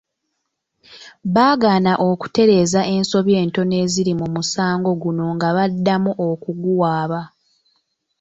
Baagaana okutereeza ensobi entono eziri mu musango guno nga baddamu okuguwaaba.